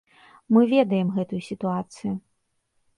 Мы ведаем гэтую сітуацыю.